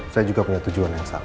saya juga punya tujuan yang sama